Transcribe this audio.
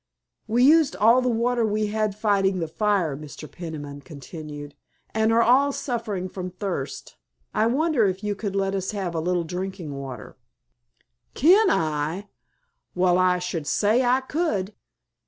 "We used all the water we had fighting fire," Mr. Peniman continued, "and are all suffering from thirst. I wonder if you could let us have a little drinking water?" "Kin I? Wal I should say I could!